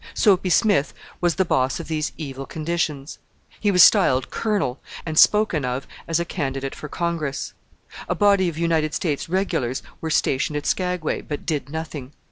Soapy Smith was the boss of these evil conditions. He was styled "Colonel," and spoken of as a candidate for Congress. A body of United States Regulars were stationed at Skagway, but did nothing.